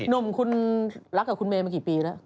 นมคุณรักกับคุณเมย์มากี่ปีละ